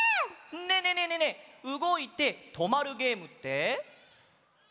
ねえねえねえねえねえうごいてとまるゲームって？